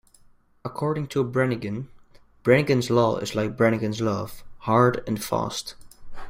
According to Brannigan, "Brannigan's Law is like Brannigan's love: hard and fast".